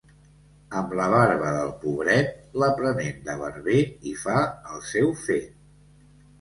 Amb la barba del pobret, l'aprenent de barber hi fa el seu fet.